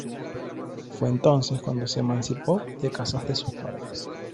Fue entonces cuando se emancipó de casa de sus padres.